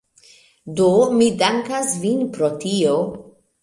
Do, mi dankas vin pro tio